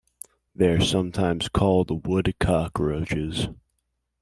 They are sometimes called wood cockroaches.